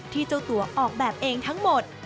เจ้าตัวออกแบบเองทั้งหมด